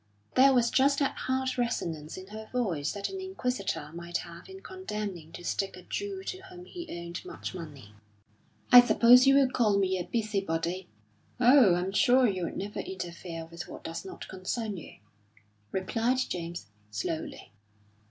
There was just that hard resonance in her voice that an inquisitor might have in condemning to the stake a Jew to whom he owed much money. "I suppose you will call me a busybody?" "Oh, I'm sure you would never interfere with what does not concern you," replied James, slowly.